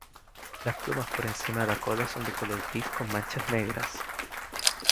Las plumas por encima de la cola son de color gris con manchas negras.